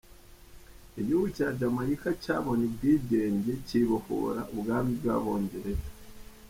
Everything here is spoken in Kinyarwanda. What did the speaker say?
Igihugu cya Jamaica cyabonye ubwigenge Cyibohora Ubwami bw’Abongereza.